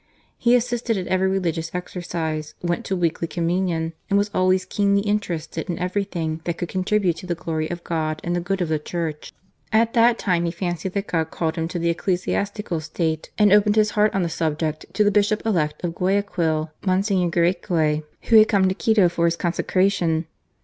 He assisted at every religious exercise, went to weekly Communion, and was always keenly interested in everything which could contribute to the glory of God, and the good of the Church. At that time he fancied that God called him to the ecclesiastical state, and opened his heart on the subject to the Bishop elect of Guayaquil, Mgr. Garaicoa, who had come to Quito for his consecration.